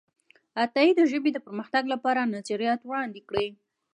عطايي د ژبې د پرمختګ لپاره نظریات وړاندې کړي دي.